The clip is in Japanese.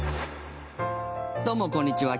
どうもこんにちは。